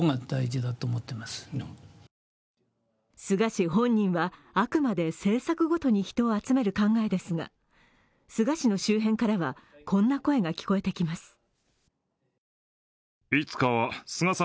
菅氏本人はあくまで政策ごとに人を集める考えですが、菅氏の周辺からはこんな声が聞こえてきます。